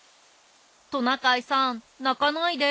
トナカイさんなかないで。